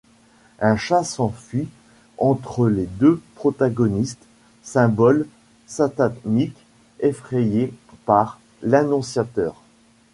Un chat s'enfuit entre les deux protagonistes, symbole satanique effrayé par l'annonciateur.